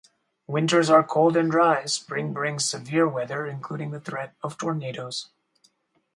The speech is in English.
Winters are cold and dry, spring brings severe weather, including the threat of tornadoes.